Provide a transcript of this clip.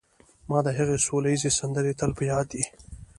ما د هغې سوله ییزې سندرې تل په یاد دي